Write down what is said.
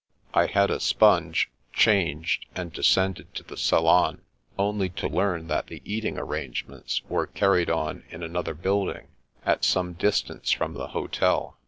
I had a sponge, changed, and descended to the salon, only to learn that the eating arrangements were carried on in another building, at some distance from the hotel.